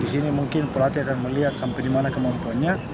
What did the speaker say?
di sini mungkin pelatih akan melihat sampai dimana kemampuannya